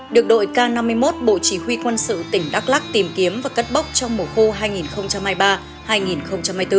được đội k năm mươi một bộ chỉ huy quân sự tỉnh đắk lắc tìm kiếm và cất bốc trong mùa khô hai nghìn hai mươi ba hai nghìn hai mươi bốn